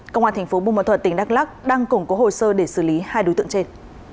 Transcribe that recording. công an tp bùm tỉnh đắk lắc đang củng cố hồ sơ để xử lý hai đối tượng trên